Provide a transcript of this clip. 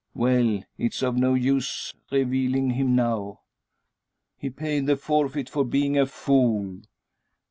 Well; it's of no use reviling him now. He paid the forfeit for being a fool.